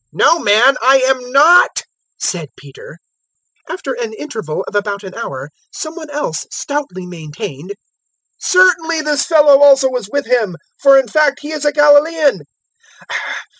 "No, man, I am not," said Peter. 022:059 After an interval of about an hour some one else stoutly maintained: "Certainly this fellow also was with him, for in fact he is a Galilaean."